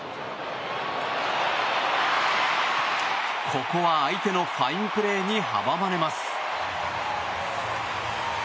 ここは相手のファインプレーに阻まれます。